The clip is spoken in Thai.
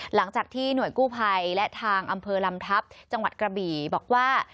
หลังจากที่หน่วยกู้ภัยและทางอำเภอลำทัพจังหวัดกระบี่บอกว่า